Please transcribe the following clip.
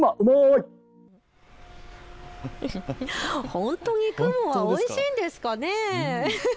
本当に雲はおいしいんですかね。